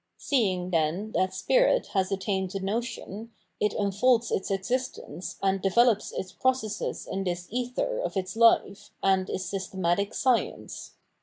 Seeing, then, that • Spirit has attained the notion, it unfolds its existence and develops its processes in this ether of its fife and is Systematic Scieme.